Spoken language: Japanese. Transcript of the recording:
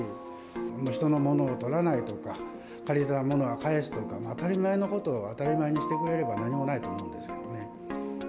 人のものをとらないとか、借りたものは返すとか、当たり前のことを当たり前にしてくれれば何もないと思うんですけ